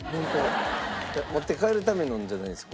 持って帰るためのじゃないです。